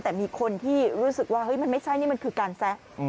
แต่มีคนที่รู้สึกว่าเฮ้ยมันไม่ใช่นี่มันคือการแซะ